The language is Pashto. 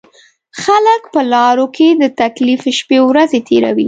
خلک په لارو کې د تکلیف شپېورځې تېروي.